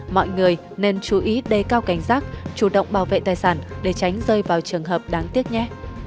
mọi người nên chú ý đề cao cảnh giác chủ động bảo vệ tài sản để tránh rơi vào trường hợp đáng tiếc nhé